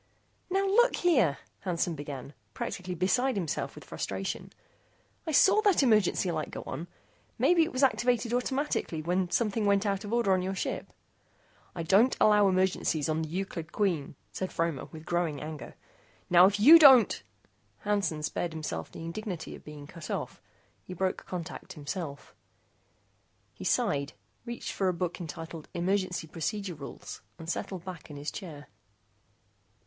"Now look here," Hansen began, practically beside himself with frustration, "I saw that emergency light go on. Maybe it was activated automatically when something went out of order on your ship." "I don't allow emergencies on the Euclid Queen," said Fromer with growing anger. "Now, if you don't " Hansen spared himself the indignity of being cut off. He broke contact himself. He sighed, reached for a book entitled Emergency Procedure Rules, and settled back in his chair.